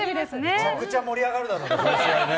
めちゃくちゃ盛り上がるだろうね。